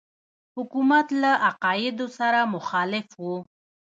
حکومت له عقایدو سره مخالف وو.